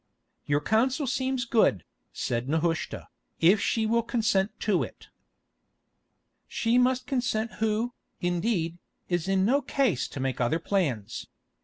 "Your counsel seems good," said Nehushta, "if she will consent to it." "She must consent who, indeed, is in no case to make other plans.